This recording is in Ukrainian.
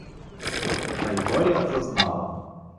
Та й горя зазнала